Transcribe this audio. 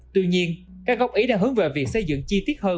tuy nhiên các koc đã hướng về việc xây dựng chi tiết hơn